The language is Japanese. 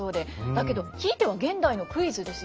だけどひいては現代のクイズですよね。